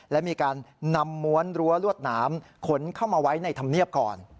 และมีการนำม้วนรั้วลวดหนามขนเข้ามาไว้ในธรรมเนียบก่อน